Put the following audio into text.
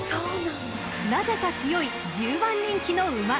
［なぜか強い１０番人気の馬］